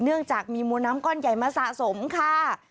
เนื่องจากมีมวลน้ำก้อนใหญ่มาสะสมค่ะ